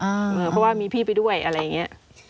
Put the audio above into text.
เพราะว่ามีพี่ไปด้วยอะไรอย่างนี้